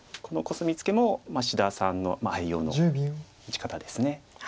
このコスミツケも志田さんの愛用の打ち方です。